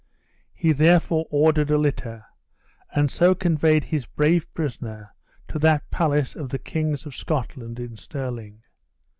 He therefore ordered a litter; and so conveyed his brave prisoner to that palace of the kings of Scotland in Stirling.